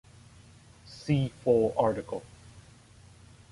See full article.